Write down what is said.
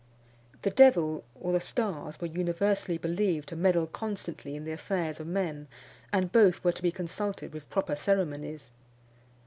The devil or the stars were universally believed to meddle constantly in the affairs of men; and both were to be consulted with proper ceremonies.